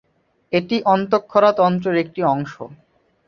এটি অন্তঃক্ষরা তন্ত্রের একটি অংশ।